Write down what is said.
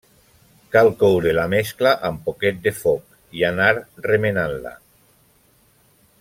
Cal coure la mescla amb poquet de foc i anar remenant-la.